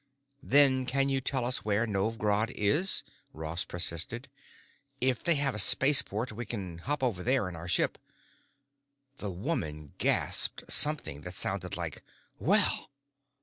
"Then can you tell us where Novj Grad is?" Ross persisted. "If they have a spaceport, we can hop over there in our ship——" The woman gasped something that sounded like, "Well!"